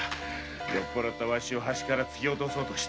酔ったわしを橋から突き落とそうとした。